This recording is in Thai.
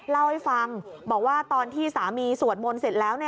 เล่าให้ฟังบอกว่าตอนที่สามีสวดมนต์เสร็จแล้ว